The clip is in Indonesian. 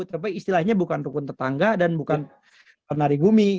tapi istilahnya bukan rukun tetangga dan bukan tanari gumi